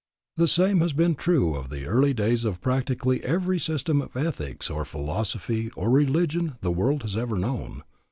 The same has been true of the early days of practically every system of ethics or philosophy or religion the world has ever known.